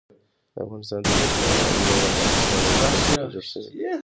د افغانستان طبیعت له د افغانستان د موقعیت څخه جوړ شوی دی.